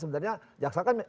sebenarnya jaksa kan